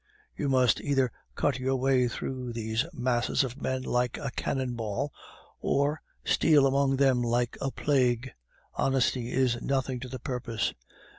You must either cut your way through these masses of men like a cannon ball, or steal among them like a plague. Honesty is nothing to the purpose.